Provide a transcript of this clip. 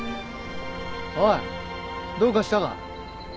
おいどうかしたか？